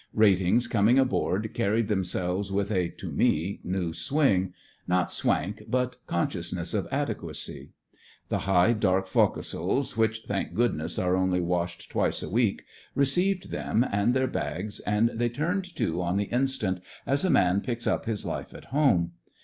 Rat ings coming aboard carried them selves with a (to me) new swing — not swank, but consciousness of adequacy. The high, dark foc'sles which, thank goodness, are only washed twice a week, received them and their bags, and they turned to on the instant as a man piclvs up his life at home.